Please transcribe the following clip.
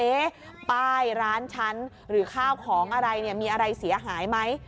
ป้ายร้านฉันหรือข้าวของอะไรเนี่ยมีอะไรเสียหายไหม